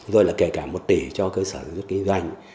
rồi là kể cả một tỷ cho cơ sở giữ kinh doanh